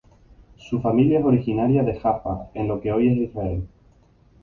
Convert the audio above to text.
Su familia es originaria de Jaffa, en lo que hoy es Israel.